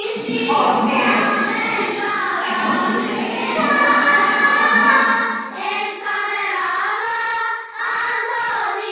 The Nawabs often gave them concessions in return for the security.